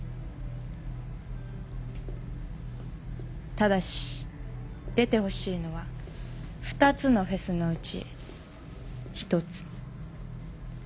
ただし出てほしいのは２つのフェスのうち１つ。